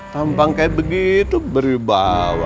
tampang kayak begitu beri bawa